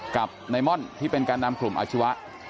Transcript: กับนายม่อนที่เป็นการนำกลุ่มอาชีวะ